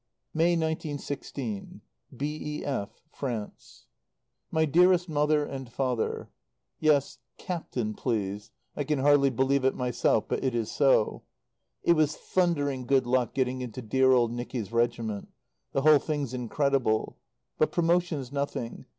May, 1916. B.E.F., FRANCE. DEAREST MOTHER AND FATHER, Yes, "Captain," please. (I can hardly believe it myself, but it is so.) It was thundering good luck getting into dear old Nicky's regiment. The whole thing's incredible. But promotion's nothing.